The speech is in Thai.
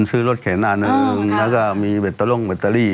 ซื้อรถเข็นอันหนึ่งแล้วก็มีเบตเตอร์ลงแบตเตอรี่